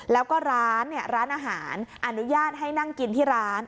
แล้วก็ร้านร้านอาหารอนุญาตให้นั่งกินที่ร้าน